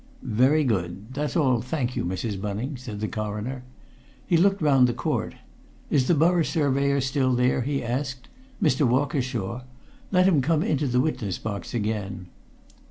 "Very good. That's all, thank you, Mrs. Bunning," said the Coroner. He looked round the court. "Is the Borough Surveyor still there?" he asked. "Mr. Walkershaw? Let him come into the witness box again."